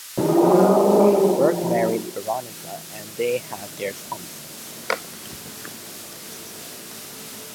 Burke married Veronica and they had three sons.